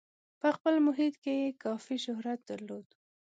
په خپل محیط کې یې کافي شهرت درلود.